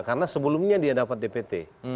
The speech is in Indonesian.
karena sebelumnya dia dapat dpt